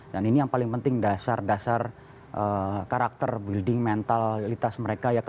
dan ini yang paling penting dasar dasar karakter building mentalitas mereka ya